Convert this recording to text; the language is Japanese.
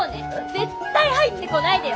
絶対入ってこないでよ！